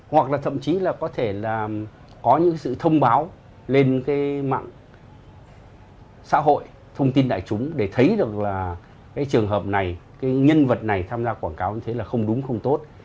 hoặc là thậm chí là có thể là có những sự thông báo lên cái mạng xã hội thông tin đại chúng để thấy được là cái trường hợp này cái nhân vật này tham gia quảng cáo như thế là không đúng không tốt